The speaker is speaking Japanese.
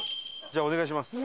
じゃあお願いします。